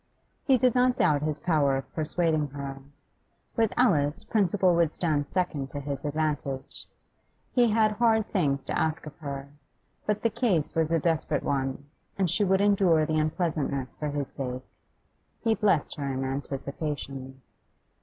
He did not doubt his power of persuading her. With Alice principle would stand second to his advantage. He had hard things to ask of her, but the case was a desperate one, and she would endure the unpleasantness for his sake. He blessed her in anticipation.